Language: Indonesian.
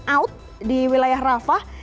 out di wilayah rafah